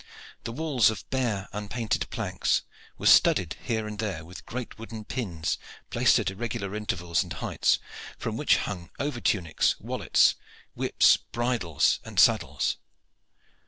The walls of bare unpainted planks were studded here and there with great wooden pins, placed at irregular intervals and heights, from which hung over tunics, wallets, whips, bridles, and saddles.